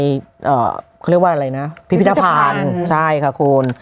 เขาเรียกว่าอะไรนะพิพิธภัณฑ์ใช่ค่ะคุณ